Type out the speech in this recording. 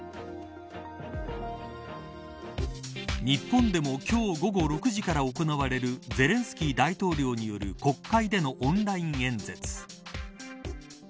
日本でも今日午後６時から行われるゼレンスキー大統領による国会でのオンライン演説。